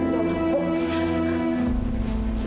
ya allah bu